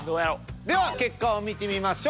では結果を見てみましょう。